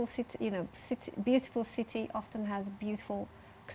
seringkali memiliki sungai yang indah